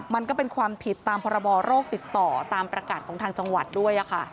มันก็เป็นความผิดตามพรบโรคติดต่อตามประกาศของทางจังหวัดด้วย